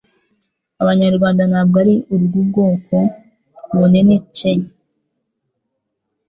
abanyarwanda ntabwo ari urw'ubwoko bunini c